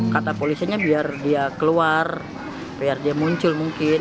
kata polisinya biar dia keluar biar dia muncul mungkin